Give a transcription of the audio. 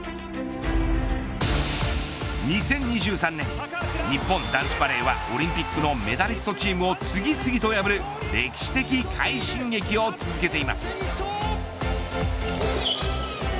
２０２３年、日本男子バレーはオリンピックのメダリストチームを次々と破る歴史的快進撃を続けています。